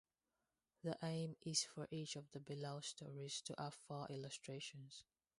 The aim is for each of the below stories to have four illustrations.